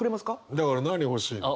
だから何欲しいの？